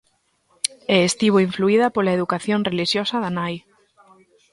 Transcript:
E estivo influída pola educación relixiosa da nai.